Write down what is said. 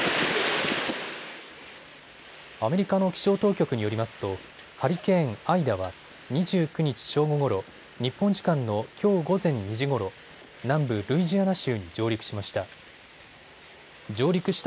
アメリカの気象当局によりますとハリケーン、アイダは２９日正午ごろ、日本時間のきょう午前２時ごろ、南部ルイジアナ州に上陸しました。